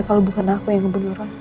kalau bukan aku yang ngeburu orang